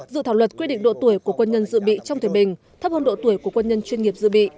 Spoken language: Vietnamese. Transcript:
dự thảo luật quy định độ tuổi của quân nhân dự bị trong thời bình thấp hơn độ tuổi của quân nhân chuyên nghiệp dự bị